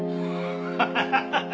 ハハハハ！